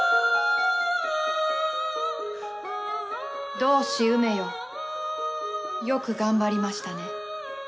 同志梅よよく頑張りましたね。